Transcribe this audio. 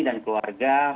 mungkin dia berani